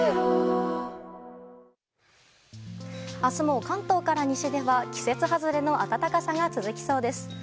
明日も関東から西では季節外れの暖かさが続きそうです。